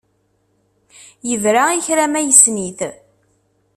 Yebra i kra ma yessen-it.